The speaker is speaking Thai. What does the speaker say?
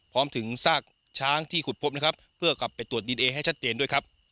พร้อมถึงซากช้างที่ขุดพบนะครับเพื่อกลับไปตรวจดีเอให้ชัดเจนด้วยครับ